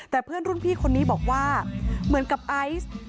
แต่เพื่อนรุ่นพี่คนนี้บอกว่าเหมือนกับไอซ์